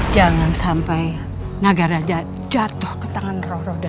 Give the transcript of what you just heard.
jangan sampai naga raja jatuh ke tangan roh roda